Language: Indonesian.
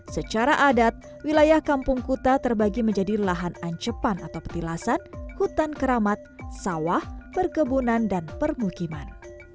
secara adat wilayah kampung kuta terbagi menjadi lahan ancepan atau petilasan hutan keramat sawah perkebunan dan permukiman